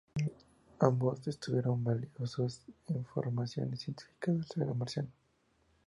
Ambos obtuvieron valiosas informaciones científicas del suelo marciano.